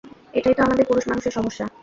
এটাই তো আমাদের পুরুষ মানুষের সমস্যা।